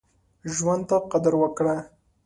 ژوند ته قدر وکړه.